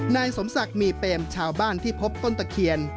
นายสมศักดิ์มีเปมชาวบ้านที่พบต้นตะเคียน